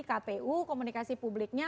kpu komunikasi publiknya